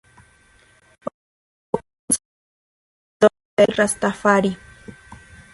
O puede ser un seguidor del verdadero ideal rastafari.